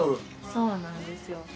そうなんですよ。